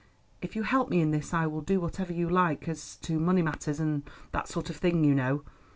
"If you help me in this I will do whatever you like as to money matters and that sort of thing, you know.